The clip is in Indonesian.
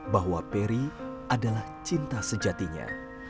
bahwa peri adalah cinta sejatinya